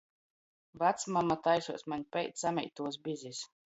Vacmama taisuos maņ peit sameituos bizis.